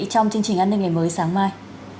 trong chương trình an ninh ngày mới sáng mai